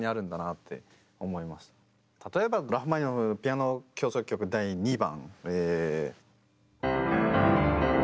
例えばラフマニノフの「ピアノ協奏曲第２番」。